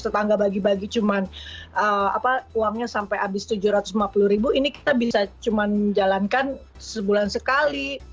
tetangga bagi bagi cuman apa uangnya sampai habis tujuh ratus lima puluh ini kita bisa cuman jalankan sebulan sekali